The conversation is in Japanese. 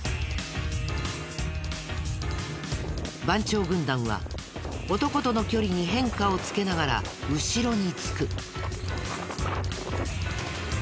番長軍団は男との距離に変化をつけながら後ろにつく。